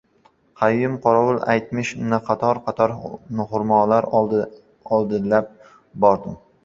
Qayum qorovul aytmish qator-qator xurmolar oldilab bordim.